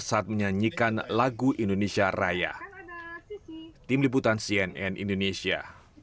sampai jumpa di video selanjutnya